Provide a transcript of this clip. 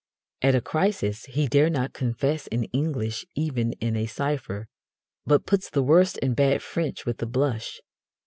At a crisis he dare not confess in English even in a cipher, but puts the worst in bad French with a blush.